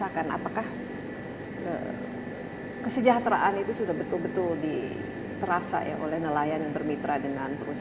apakah kesejahteraan itu sudah betul betul diterasa ya oleh nelayan yang selalu berpengaruh